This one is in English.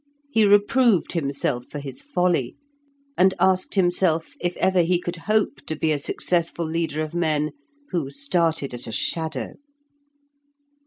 He reproved himself for his folly, and asked himself if ever he could hope to be a successful leader of men who started at a shadow.